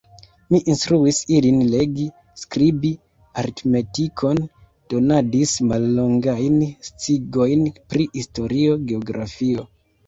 Mi instruis ilin legi, skribi, aritmetikon, donadis mallongajn sciigojn pri historio, geografio.